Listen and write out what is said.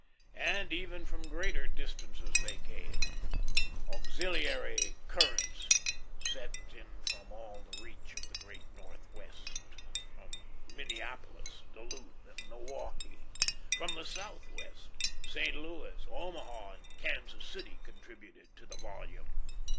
And even from greater distances they came; auxiliary currents set in from all the reach of the Great Northwest, from Minneapolis, Duluth, and Milwaukee. From the Southwest, St. Louis, Omaha, and Kansas City contributed to the volume.